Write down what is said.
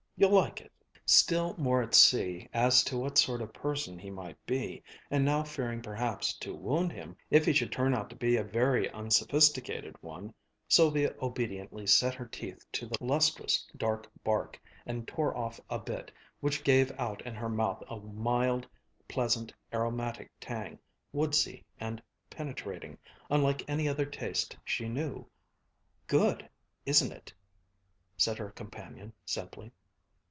You'll like it." Still more at sea as to what sort of person he might be, and now fearing perhaps to wound him if he should turn out to be a very unsophisticated one, Sylvia obediently set her teeth to the lustrous, dark bark and tore off a bit, which gave out in her mouth a mild, pleasant aromatic tang, woodsy and penetrating, unlike any other taste she knew. "Good, isn't it?" said her companion simply.